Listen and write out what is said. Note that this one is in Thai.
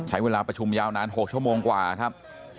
ใช้เวลาประชุมยาวนาน๖ชั่วโมงกว่าครับ